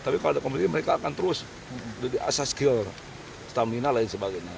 tapi kalau ada kompetisi mereka akan terus jadi asas skill stamina dan sebagainya